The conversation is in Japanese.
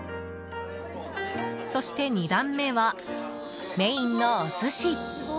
そして、２段目はメインのお寿司。